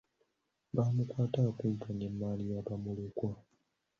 Baamukwata akumpakanya emmaali ya bamulekwa.